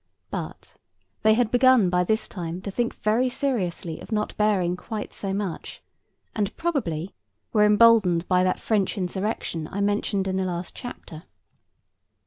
But, they had begun by this time to think very seriously of not bearing quite so much; and, probably, were emboldened by that French insurrection I mentioned in the last chapter.